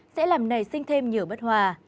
sẽ làm này sinh thêm nhiều bất hòa